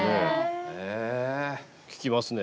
聞きますね。